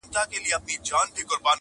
د شعرونو کتابچه وای-